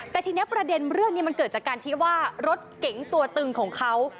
แต่ทีนี้ประเด็นเรื่องนี้มันเกิดจากการที่ว่ารถเก๋งตัวตึงของเขา